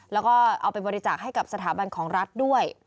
แล้วก็เอาไปบริจาคให้กับสถาบันของรัฐด้วย